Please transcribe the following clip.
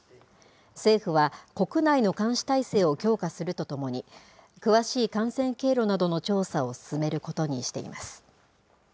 政府は、国内の監視体制を強化するとともに、詳しい感染経路などの調査を進めることにしています。